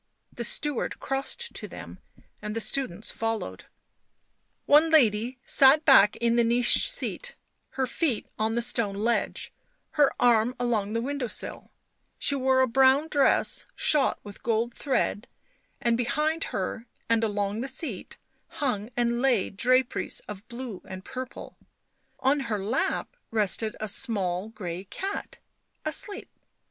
The steward crossed to them and the students followed. One lady sat back in the niched seat, her feet on the stone ledge, her arm along the window sill; she wore a brown dress shot with gold thread, and behind her and along the seat hung and lay draperies of blue and purple ; on her lap rested a small grey cat, asleep.